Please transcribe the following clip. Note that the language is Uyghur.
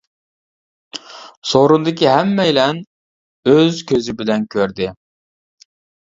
سورۇندىكى ھەممەيلەن ئۆز كۆزى بىلەن كۆردى.